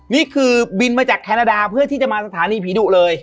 นี่คือบินมาจากแคนาดาเพื่อที่จะมาสถานีผีดุเลย